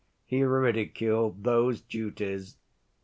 He ridiculed those duties.